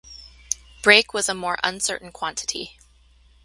Break was a more uncertain quantity.